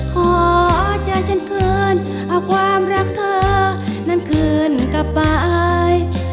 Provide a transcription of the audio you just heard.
ขอเจอฉันคืนเอาความรักเธอนั้นคืนกลับไป